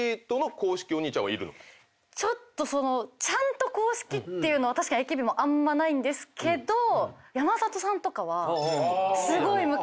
ちょっとそのちゃんと公式っていうのは確かにＡＫＢもあんまないんですが山里さんとかはすごい昔から。